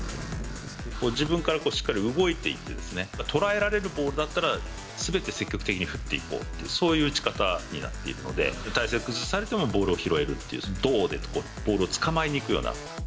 自分からこうしっかり動いていってですね、捉えられるボールだったら、すべて積極的に振っていこうっていう、そういう打ち方になっているので、体勢を崩されてもボールを拾えるっていう、動でボールをつかまえにいくような。